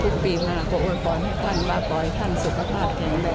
ทุกปีมากอวยพรท่านบาปรอยท่านสุขภาพแดง